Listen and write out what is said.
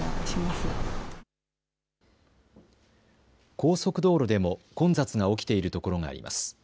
高速道路でも混雑が起きている所があります。